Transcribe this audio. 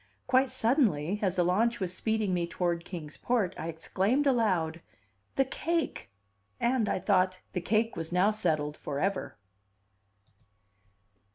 Quite suddenly, as the launch was speeding me toward Kings Port, I exclaimed aloud: "The cake!" And, I thought, the cake was now settled forever.